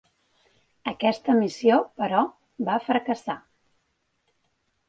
Aquesta missió, però, va fracassar.